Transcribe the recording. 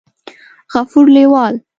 غفور لېوال